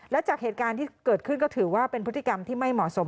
และจากเหตุการณ์ที่เกิดขึ้นก็ถือว่าเป็นพฤติกรรมที่ไม่เหมาะสม